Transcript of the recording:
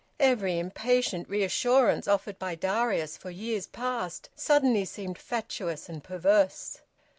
Every impatient reassurance offered by Darius for years past suddenly seemed fatuous and perverse.